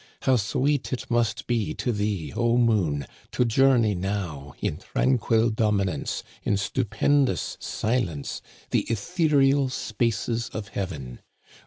How sweet it must be to thee, O moon, to journey now in tranquil dominance, in stupendous silence, the ethereal spaces of heaven